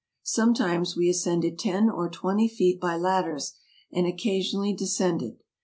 Sometimes we ascended ten or twenty feet by ladders, and occasionally descended.